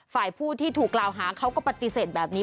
ฝ่ายผู้ที่ถูกกล่าวหาเขาก็ปฏิเสธแบบนี้